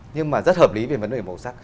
nhưng mà rất hợp lý về vấn đề màu sắc